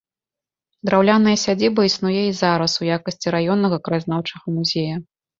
Драўляная сядзіба існуе і зараз у якасці раённага краязнаўчага музея.